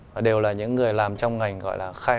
và đều là những người làm trong ngành gọi là khai phá dữ liệu